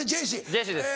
ジェシーです！